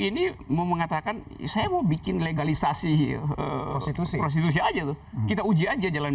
ini mau mengatakan saya mau bikin legalisasi prostitusi aja tuh kita uji aja jalan